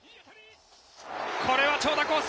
これは長打コース。